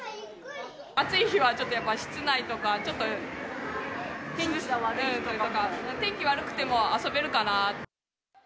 暑い日はちょっと、やっぱり室内とか、ちょっと、天気悪くても、遊べるかなと。